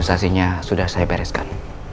tentasinya sudah saya pereskan